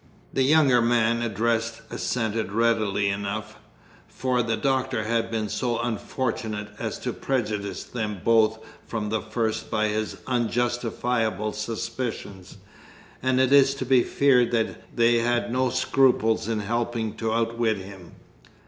The younger man addressed assented readily enough, for the Doctor had been so unfortunate as to prejudice them both from the first by his unjustifiable suspicions, and it is to be feared they had no scruples in helping to outwit him.